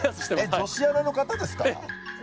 女子アナの方ですか？